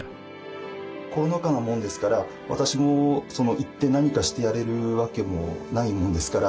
コロナ禍なもんですから私も行って何かしてやれるわけもないもんですから。